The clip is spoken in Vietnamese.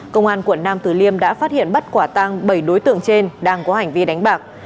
công an quận nam tử liêm đã phát hiện bắt quả tăng bảy đối tượng trên đang có hành vi đánh bạc